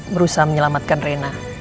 berusaha menyelamatkan rana